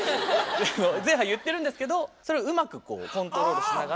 ゼーハー言ってるんですけどそれをうまくコントロールしながら。